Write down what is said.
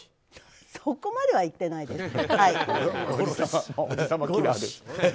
そこまでは言ってないです。